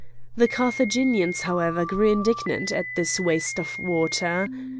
The Carthaginians, however, grew indignant at this waste of water.